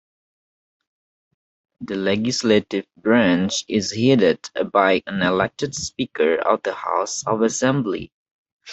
The legislative branch is headed by an elected Speaker of the House of Assembly.